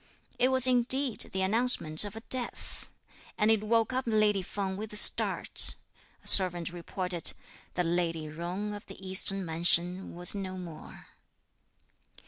It was indeed the announcement of a death; and it woke up lady Feng with a start. A servant reported that lady Jung of the eastern mansion was no more.